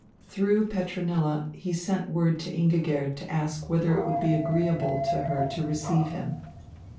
Through Petronilla he sent word to Ingigerd to ask whether it would be agreeable to her to receive him.